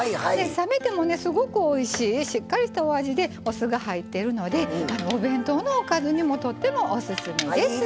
冷めてもねすごくおいしいしっかりしたお味でお酢が入ってるのでお弁当のおかずにもとってもオススメです。